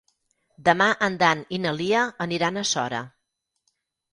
Demà en Dan i na Lia aniran a Sora.